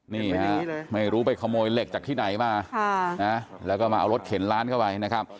นี่ฮะไม่รู้ไปขโมยเหล็กจากที่ไหนมาแล้วก็มาเอารถเข็นร้านเข้าไปนะครับ